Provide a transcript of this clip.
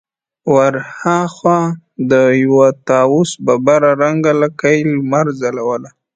ور هاخوا د يوه طاوس ببره رنګه لکۍ لمر ځلوله.